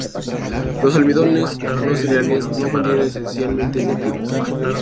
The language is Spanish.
Los almidones no cereales no contienen esencialmente lípidos.